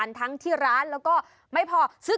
ไม่ละลายในมือ